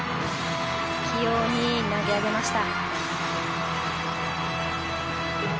器用に投げ上げました。